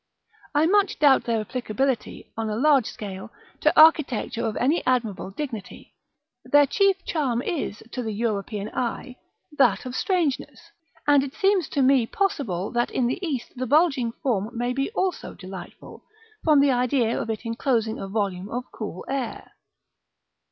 I much doubt their applicability, on a large scale, to architecture of any admirable dignity; their chief charm is, to the European eye, that of strangeness; and it seems to me possible that in the east the bulging form may be also delightful, from the idea of its enclosing a volume of cool air.